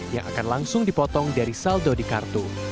yang akan langsung dipotong dari saldo di kartu